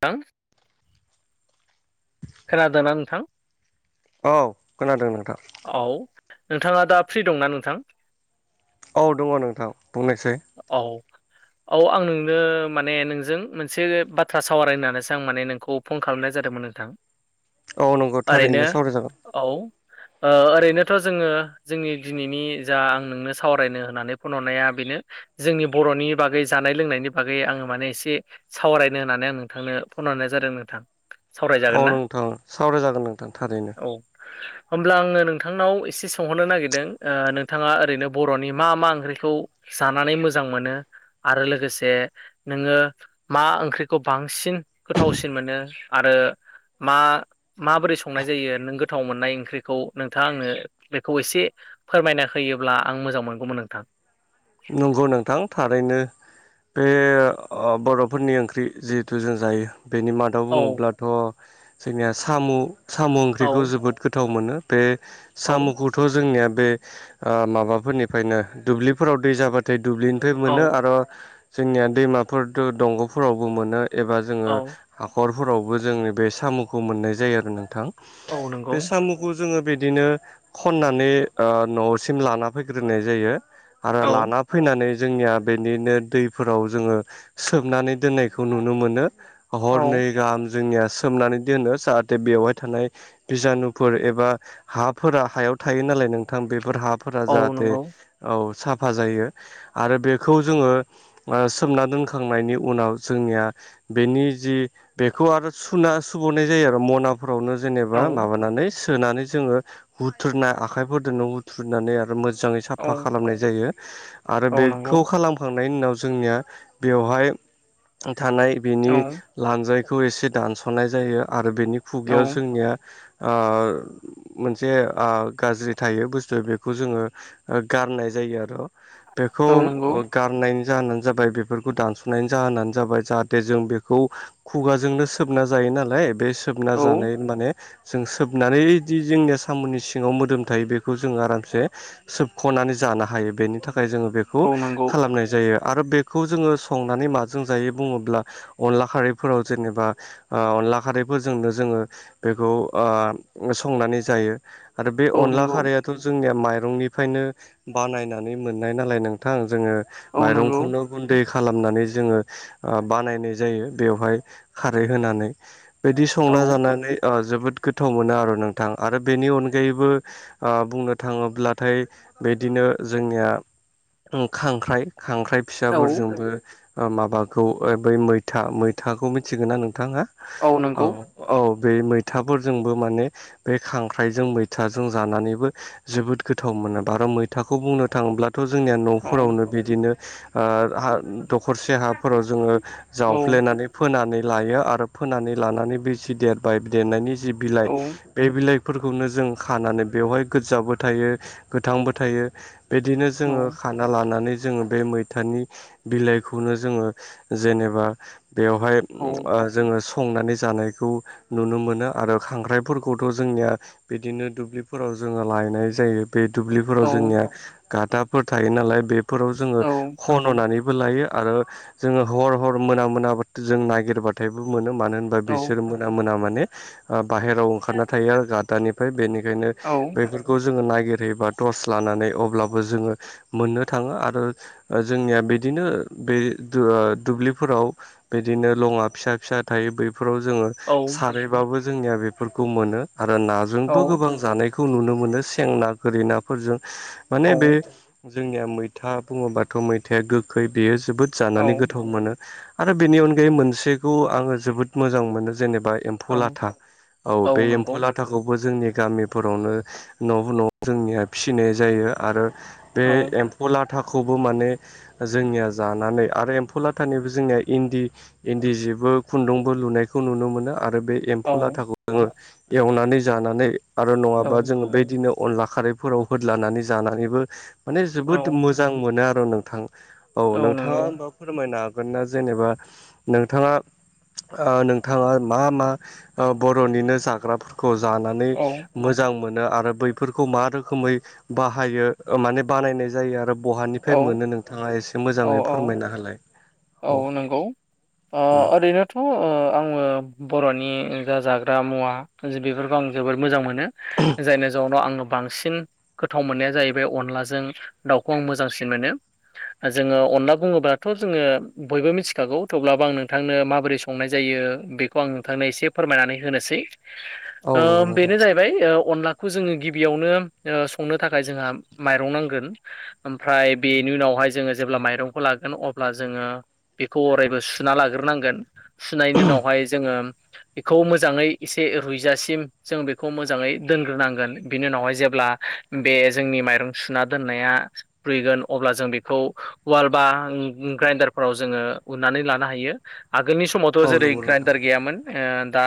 थां। खोनादों ना नोंथां? औ खोनादों नोंथां। औ नोंथाङा दा फ्रि दं ना नोंथां? औ दङ नोंथां बुंनायसाय। औ। औ आं नोंनो माने नोंजों मोनसे बाथ्रा सावराय होननानैसो आं माने नोंखौ फन खालामनाय जादोंमोन नोंथां। औ नंगौ ओरैनो थारैनो सावराय जागोन। औ। ओ ओरैनोथ' जोङो जोंनि दिनैनि जा आं नोंनो सावरायनो होननानै फन हरनाया बेनो। जोंनि बर'नि बागै जानाय लोंनायनि बागै आङो माने एसे सावरायनो होननानै आं नोंथांनो फन हरनाय जादों नोंथां। औ सावरायजागोन ना नोंथां सावराय जागोन नोंथां थारैनो। अब्ला आङो नोंथांनाव एसे सोंहरनो नागिरदों ओ नोंथाङा ओरैनो बर'नि मा मा ओंख्रिखौ जानानै मोजां मोनो आरो लोगोसे नोङो मा ओंख्रिखौ बांसिन गोथावसिन मोनो आरो मा माबोरै संनाय जायो नों गोथाव मोननाय ओंख्रि खौ नोंथाङा आंनो बेखौ एसे फोरमायना होयोब्ला आं मोजां मोनगौमोन नोंथां। नंगौ नोंथां थारैनो बे ओ बर'फोरनि ओंख्रि जिहेथु जों जायो बेनि माद दाव औ बुङोब्लाथ' जोंनिया साम' साम' औ ओंख्रिखौ जोबोद गोथाव मोनो बे औ साम'खौ थ' जोंनिया बे ओ माबाफोरनिफ्रायनो दुब्लिफोराव दै जाबाथाय दुब्लि‌ दै मोनो औ आरो जोंनिया दैमाफोरथ' दंग'फोरावबो मोनो एबा जोङो औ हाखरफोरावबो जोंनि बे साम'खौ मोननाय जायो आरो नोंथां औ नंगौ बे साम' खौ जोङो बिदिनो खन्नानै ओ न'सिम लाना फैग्रोनाय जायो आरो औ लाना फैनानै जोंनिया बेनिनो दैफोराव जोङो सोबनानै दोननायखौ नुनो मोनो औ हरनै गाहाम जोंनिया सोमनानै दोनो जाहाथे बेवहाय थानाय बिजानुफोर एबा हाफोरा हायाव थायो नालाय नोंथां बेफोर हा फोरा औ जाहाथे नंगौ औ साफा जायो आरो बेखौ जोङो ओ सोमना दोनखांनायनि उनाव जोंनिया बेनि जि बेखौ आरो सुना सुबावनाय जायो आरो मना फोरावनो औ जेनेबा माबानानै सोनानै जोङो हुथ्रुनाय आखाइफोरजोंनो हुथ्रुनानै आरो मोजाङै औ साफा खालामनाय जायो। आरो औ नंगौ बेखौ खालामखांनायनि उनाव जोंनिया बेवहाय थानाय औ बिनि लानजायखौ एसे दानस'नाय जायो आरो बेनि औ खुगायाव जोंनिया ओ मो-मोनसे आ गाज्रि थायो बुस्थु बेखौ जोङो ओ गारनाय जायो आरो। बेखौ औ नंगौ ओ गारनायनि जाहोनानो जाबाय बेफोरखौ दानस'नायनि जाहोनानो जाबाय जाहाथे जों बेखौ खुगाजोंनो सोबना जायो नालाय बे सोबना औ जानाय माने जों सोबनानैदि जोंनिया साम'नि सिङाव मोदोम थायो बेखौ जों आरामसे सोबख'नानै जानो हायो बेनि थाखाय जोङो बेखौ औ नंगौ खालामनाय जायो आ आरो बेखौ जोङो संनानै माजों जायो बुङोब्ला अनला खारैफोराव जेनेबा ओ अनला खारैफोरजोंनो जोङो बेखौ ओ संनानै जायो। आरो बे औ अनला नंगौ खारैयाथ' जोंनिया माइरंनिफायनो बानायना नै मोननाय नालाय नोंथां जोङो औ नंगौ माइरंखौल' गुन्दै खालामनानै जोङो ओ बानायनाय जायो बेवहाय खारै होनानै। बेदि संना औ जानानै ओ जोबोद गोथाव मोनो आर' नोंथां आरो बेनि अनगायैबो ओ बुंनो थाङोब्लाथाय बेदिनो जो जोंनिया खांख्राइ खांख्राइ औ फिसाफोरजोंबो ओ माबाखौ ओ बै मैथा मैथाखौ मिथिगोना नोंथां आ औ। औ बे मैथाफोरजोंबो माने बे खांख्राइजों मैथाजों जानानैबो जोबोद गोथाव मोनो बार' मैथाखौ बुंनो थाङोब्लाथ' जोंनिया औ न'फोरावनो बिदिनो ओ हा दखरसे हाफोराव जोङो औ जावफ्लेनानै फो फोनानै लायो आरो फोनानै लानानै बे जि देरबाय देरनायनि जि बिलाइ औ बे बिलाइफोरखौनो जों खानानै बेवहाय गोदजाबो थायो गोथांबो थायो बेदिनो जो जोङो खानो ना लानानै जोङो बे मैथानि बिलाइखौनो जोङो जेनेबा बेवहाय औ ओ जोङो स संनानै जानायखौ नुनो मोनो आरो खांख्राइफोरखौथ' जोंनिया बेदिनो दुब्लिफोराव जोङो लायनाय जायो। बे औ दुब्लिफोराव जोंनिया गाथाफोर थायो नालाय बे फोराव जोङो खन'नानैबो लायो आरो जोङो हर हर मोना मोनाबाथाय जों नागिरबाथायबो मोनो मानो होनबा बिसोर मोना मोना माने ओ बाहेराव ओंखारना थायो आरो गाथानिफ्राय बेनिखायनो औ। बेफोरखौ जोङो नागिरहैबा टस लानानै अब्लाबो जोङो मोननो थाङो आरो ओ जोंनिया बेदिनो बे दु-दुब्लिफोराव बेदिनो लङा फिसा फिसा थायो बैफोराव जोङो सारैबाबो जोंनिया बेफोरखौ मोनो आरो नाजोंबो गोबां जानायखौ नुनो मोनो सें ना गोरि ना फोरजों माने औ बे जोंनिया मैथा बुङोबाथ' मैथाया गोखै बेयो जोबोद जानानै गोथाव मोनो। आरो बेनि अनगायै मोनसेखौ आङो जोबोद मोजां मोनो जेनेबा एम फौलाथा औ बे एम्फौलाथ थाखौबो जोंनि गामिफोरावनो न' न' जोंनिया फिसिनाय जायो आरो बे औ एम्फौ लाथाखौबो माने जोंनिया जानानै आरो एम्फौ लाथानिबो जोंनिया इन्दि इन्दि जिबो खुन्दुंबो लुनायखौ नुनो मोनो आरो बे एम्फौ औ लाथाखौ जोङो एवनानै जानानै आरो नङाबा औ जोङो बेदिनो अनला खारैफोराव होदलानानै जानानैबो माने औ जोबोद मोजां मोनो आर' नोंथां। औ नोंथाङा होम्बा फोरमायनो हागोन ना जेनेबा नोंथाङा ओ नोंथाङा मा-मा ओ बर'निनो जाग्राफोर खौ जानानै औ मोजां मोनो आरो बैफोरखौ मा रोखोमै बाहायो ओ माने बानायनाय जायो आरो बहानिफाय औ मोनो नोंथाङा एसे मोज औ जाङै फोरमायना होलाय। औ नोंगौ ओ उम ओरैनो थ' ओ आङो बर'नि जा जाग्रा मुवा बेफोरखौ आं जोबोद मोजां मो नो जायनि जाउनाव आङो बांसिन गोथाव मोन्नाया जाहैबाय अनलाजों दाउखौ आं मोजांसिन मोनो। ओ जोङो अनला बुङोबाथ' जोङो बयबो मिथिखागौ थेवब्लाबो आं नोंथांनो माबोरै संनाय जायो बेखौ आं नोंथांनो एसे फोरमायनानै होनोसै। औ ओ नंगौ नोंथां बेनो जाहै बाय अनलाखौ जोङो गिबियावनो ओ संनो थाखाय जोंहा माइरं नांगोन। ओमफ्राय बेनि उनावहाय जोङो जेब्ला माइरंखौ लागोन अब्ला जोङो बेखौ अरायबो सुना लाग्रोनांगोन सुनायनि उनावहाय जोङो बेखौ मोजाङै एसे रुइजासिम जों बेखौ मोजाङै दोनग्रोनांगोन बिनि उनावहाय जेब्ला बे जोंनि माइरं सुना दोननाया रुइगोन अब्ला जों बेखौ वाल बा ग्राइन्डार फ्राव जोङो उनानै लानो हायो आगोलनि समावथ' औ जेरै नंगौ नोंथां ग्राइन्डार गैयामोन। ओ दा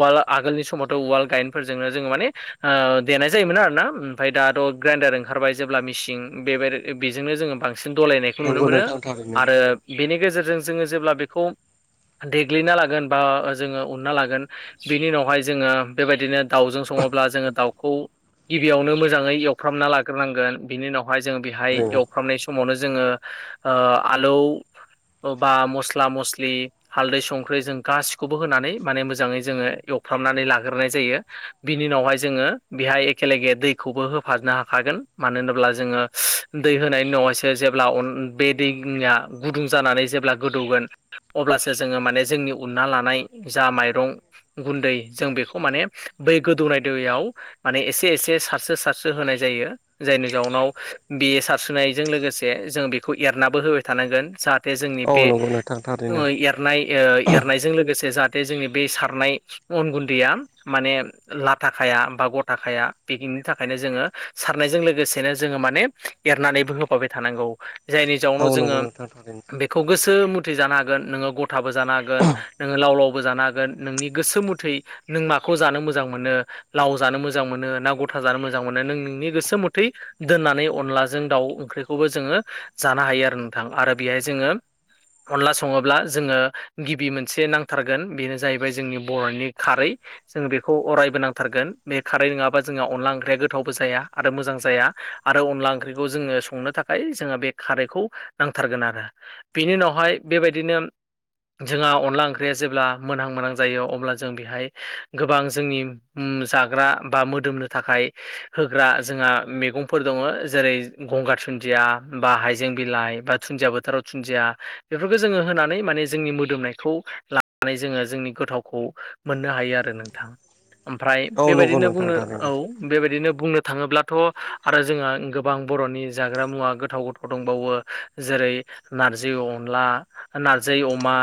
वाल आगोलनि समावथ' वाल गायनफोरजोंनो जोङो माने ओ देनाय जायोमोन आर ना। ओमफ्राय दाथ' ग्राइन्डार ओंखारबाय जेब्ला मिसिन बेबाय बेजोंनो जोङो बांसिन दलायनायखौ नुनो नंगौ मोनो। नोंथां थारैनो बेनि गेजेरजों जोङो जेब्ला बेखौ देग्लिना लागोन बा जोङो उनना लागोन। बिनि उनावहाय जोङो बेबायदिनो दाउजों सङोब्ला जोङो दाउखौ गिबियावनो मोजाङै एवफ्रामना लाग्रोनांगोन बिनि उनाव हाय जों बेहाय थारैनो एवफ्रामनाय समावनो जोङो ओ आलौ अबा मस्ला मस्लि हालदै संख्रै जों गासिखौबो होनानै माने मोजाङै जोङो एवफ्रामनानै लाग्रोनाय जायो। बिनि उनावहाय जोङो बेहाय एखेेलगे दैखौबो होफानो हाखागोन मानो होनोब्ला जोङो दै होनायनि उनावहायसो जेब्ला बे दैया गुदुं जानानै जेब्ला गोदौगोन अब्लासो जोङो माने जोंनि उन्ना लानाय जा माइरं गुन्दै जों बेखौ माने बै गोदौनाय दैयाव माने एसे-एसे सारस्रो-सारस्रो होनाय जायो। जायनि जाउनाव बे सारस्रिनायजों लोगोसे जों बेखौ एरनाबो होबाय थानांगोन जाहा थे जोंनि औ बे नंगौ नोंथां थारैनो ओ एरनाय ओ एरनायजों लोगोसे जाहाथे जोंनि बे सारनाय अन गुन्दैया माने लाथाखाया बा गथाखाया पिकिंनिथाखायनो जोङो सारनायजों लोगोसेनो जोङो माने एरनानैबो होफाबाय थानांगौ जायनि औ जाउनाव जोङो नंगौ नोंथां थारैनो बे खौ गोसो मुथै जानो हागोन नोङो गथाबो जानो हागोन नोङो लाव-लावबो जानो हागोन नोंनि गोसो मुथै नों माखौ जानो मोजां मोनो लाव जानो मोजां मोनो ना गथा जानो मोजां मोनो नों नोंनि गोसो मथै दोननानै अनलाजों दाउ ओंख्रिखौबो जोङो जानो हायो आरो नोंथां आरो बेहाय जोङो अनला सङोब्ला जोङो गिबि मोनसे नांथारगोन बेनो जाहैबाय जोंनि बर'नि खारै जोंङो बेखौ अरायबो नांथारगोन बे खारै नङाबा जोंहा अनला ओंख्रिया गोथावबो जाया आरो मोजां जाया। आरो अनला ओंख्रिखौ जोङो संनो थाखाय जोंहा बे खारैखौ नांथारगोन आरो बिनि उनावहाय बेबायदिनो जोंहा अनला ओंख्रिया जेब्ला मोनहां मोनहां जायो अब्ला जों बेहाय गोबां जोंनि उम जाग्रा बा मोदोमनो थाखाय होग्रा जोंहा मैगंफोर दङ जेरै गंगार दुुनन्दिया बा हाइजें बिलाइ बा दुुनन्दिया बोथोराव दुन्दिया बेफोरखौ जोङो होनानै माने जोंनि मोदोमनायखौ ला नानै जोङो जोंनि गोथावखौ मोननो हायो आरो नोंथां। ओमफ्राय औ नंगौ बेबायदिनो नोंथां बुंनो थारैनो औ। बेबायदिनो बुंनो थाङोब्लाथ' आरो जोंहा गोबां बर'नि जाग्रा मुवा गो थाव गोथाव दंबावो जेरै नारजि अनला नारजै अमा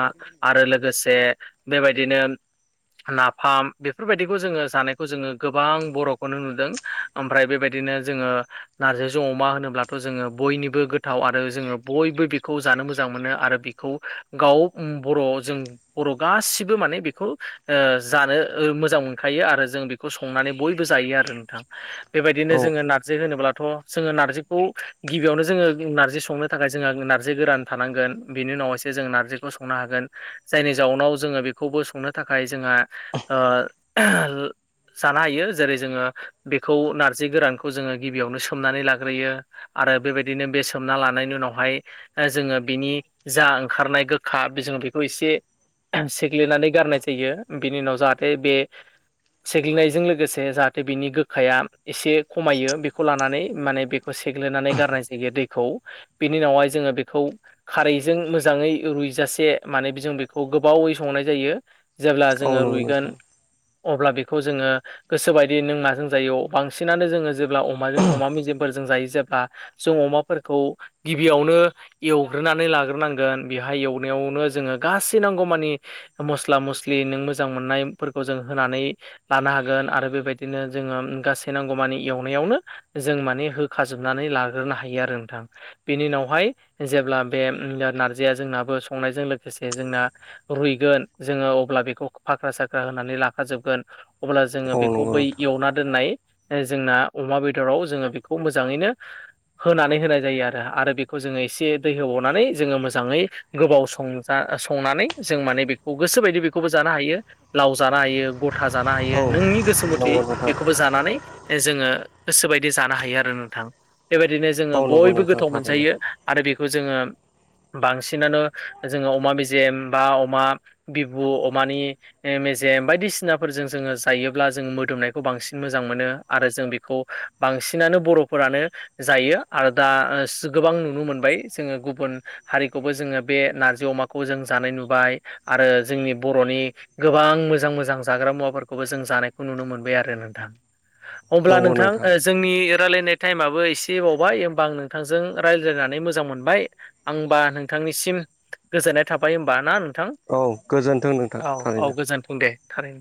आरो लोगोसे बेबायदिनो नाफाम बेफोरबायदिखौ जोङो जानायखौ जोङो गोबां बर'खौनो नुदों। ओमफ्राय बेबायदिनो जोङो नारजिजों अमा होनोब्लाथ' जोङो बयनिबो गोथाव आरो जोङो बयबो बेखौ जानो मोजां मोनो आरो बेखौ गाव बर' जों बर' गासिबो माने बेखौ जानो मोजां मोनखायो आरो जों बे खौ संनानै बयबो जायो आरो नोंथां। बेबायदिनो औ जोङो नारजि होनोब्लाथ' जोङो नारजिखौ गिबियावनो जोङो नारजि संनो थाखाय जोंहा नारजि गोरान थानांगोन बेनि उनाव हायसो जों नारजिखौ संनो हागोन। जायनि जाउनाव जोङो बेखौबो संनो थाखाय जोंहा ओ जानो हायो जेरै जोङो बेखौ नारजि गोरानखौ जोङो गिबियावनो सोमनानै लाग्रोयो। आरो बेबायदिनो बे सोमना लानायनि उनावहाय जोङो बिनि जा ओंखारनाय गोखा जोङो बेखौ एसे सेग्लिनानै गारनाय जायो बिनि उनाव जाहाथे बे सेग्लिनायजों लोगोसे जाहाथे बिनि गोखाया एसे खमायो बेखौ लानानै माने बेखौ से सेग्लिनानै गारनाय जायो दैखौ। बिनि उनावहाय जोङो बेखौ खारैजों मोजाङै रुइजासे माने जों बेखौ गोबावै संनाय जायो। जेब्ला औ जोङो नंगौ रुइगोन नोंथां अब्ला बेखौ जोङो। गोसोबायदि नों माजों जायो बांसिनानो जोङो जेब्ला अमाजों अमा मेजेमफोरजों जायो जे‌ ब्ला जों अमाफोरखौ गिबियावनो एवग्रोनानै लाग्रोनांगोन बेहाय एवनायावनो जोङो गासै नांगौमानि मस्ला मस्लि नों मोजां मोननायफोरखौ जों होनानै लानो हागोन आरो बेबायदिनो जोङो गासै नांगौ मानि एवनायावनो जों माने होखा जोबनानै लाग्रोनो हायो आरो नोंथां। बेनि उनावहाय जेब्ला बे नारजिया जोंनाबो संनायजों लोगोसे जोंना रुइगोन जोङो अब्ला बेखौ फाखा साखा होनानै लाखाजोबगोन। अब्ला जोङो औ बेखौ नंगौ बै नोंथां एवना दोननाय जोंना अमा बेदराव जोङो बेखौ मो जाङैनो होनानै होनाय जायो आरो आरो बेखौ जोङो एसे दै होबावनानै जोङो मोजाङै गोबाव संजा संनानै जों माने बेखौ गोसोबायदि बेखौबो जानो हायो। लाव जानो हायो गथा जानो हायो औ नोंनि गोसो मोथै नंगौ नोंथां बेखौबो जानानै जोङो गोसो बायदि जानो हायो आरो नोंथां बेबायदिनो जोङो औ नंगौ बयबो नोंथां गोथाव थारैनो मोनजायो आरो बेखौ जोङो बांसिनानो जोङो अमा मेजेम बा अमा बिबु अमानि मेजेम बायदिसिनाफोरजों जोङो जायोब्ला जोङो मोदोमनायखौ बांसिन मोजां मोनो आरो जों बेखौ बांसिनानो बर'फोरानो जायो आरो दा गोबां नुनो मोनबाय जोङो गुबुन हारिखौबो जोङो बे नारजि अमाखौ जों जानाय नुबाय आरो जोंनि बर'नि गोबां मोजां मोजां जाग्रा मुवाफोरखौबो जों जानायखौ नुनो मोनबाय आरो नोंथां अब्ला नोंथां ओ जोंनि रायलायनाय टाइमाबो एसे बावबाय होमबा आं नोंथांजों रायज्लायनानै मोजां मोनबाय। आंबा नोंथांनिसिम गोजोननाय थाबाय होमबा ना नोंथां औ गोजोन्थों नोंथां औ औ थारैनो गोजोन्थों दे थारै।